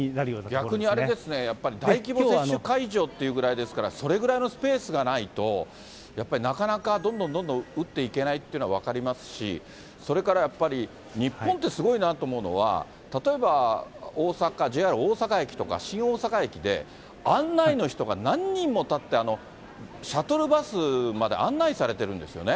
逆にあれですね、やっぱり大規模接種会場っていうぐらいですから、それぐらいのスペースがないと、やっぱりなかなか、どんどんどんどん打っていけないっていうのは分かりますし、それからやっぱり、日本ってすごいなと思うのは、例えば、大阪、ＪＲ大阪駅とか新大阪駅で、案内の人が何人も立って、シャトルバスまで案内されてるんですよね。